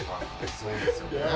そうですよね。